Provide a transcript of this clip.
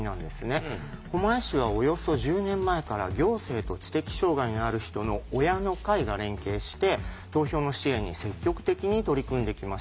狛江市はおよそ１０年前から行政と知的障害のある人の親の会が連携して投票の支援に積極的に取り組んできました。